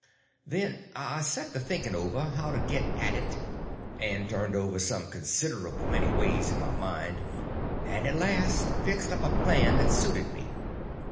Then I set to thinking over how to get at it, and turned over some considerable many ways in my mind; and at last fixed up a plan that suited me.